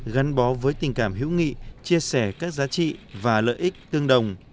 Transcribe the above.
gắn bó với tình cảm hữu nghị chia sẻ các giá trị và lợi ích tương đồng